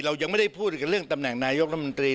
เรายังไม่ได้พูดเรื่องตำแหน่งนายกรมนตรี